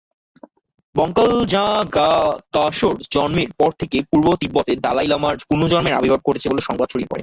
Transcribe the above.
ব্স্কাল-ব্জাং-র্গ্যা-ম্ত্শোর জন্মের পর থেকে পূর্ব তিব্বতে দলাই লামার পুনর্জন্মের আবির্ভাব ঘটেছে বলে সংবাদ ছড়িয়ে পড়ে।